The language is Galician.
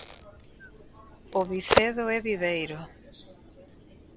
O Vicedo e Viveiro.